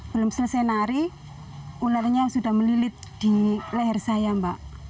belum selesai nari ularnya sudah melilit di leher saya mbak